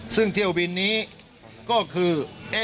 ซึ่งเที่ยวบินนี้ก็คือ